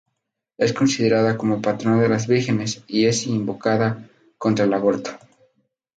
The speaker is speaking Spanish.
Es considerada como patrona de las vírgenes y es invocada contra el aborto.